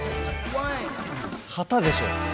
旗でしょ。